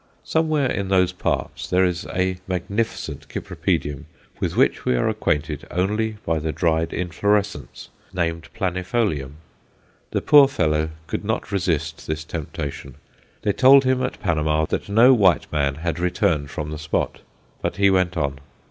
Somewhere in those parts there is a magnificent Cypripedium with which we are acquainted only by the dried inflorescence, named planifolium. The poor fellow could not resist this temptation. They told him at Panama that no white man had returned from the spot, but he went on.